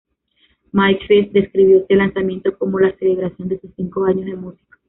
Mike Feast describió este lanzamiento como "La celebración de sus cinco años de músico".